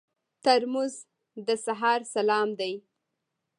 ترموز د سهار سلام دی.